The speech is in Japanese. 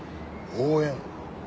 応援？